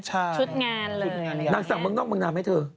ชุดงานเลยอะไรอย่างนี้นั่งสั่งเมืองนอกเมืองนามไหมเธอ